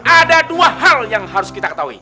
ada dua hal yang harus kita ketahui